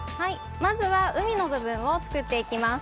まずは海の部分を作っていきます。